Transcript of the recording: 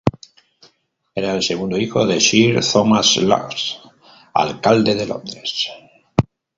Era el segundo hijo de sir Thomas Lodge, alcalde de Londres.